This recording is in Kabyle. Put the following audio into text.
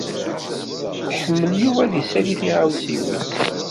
Iḥemmel Yuba ad isali tiɣawsiwin.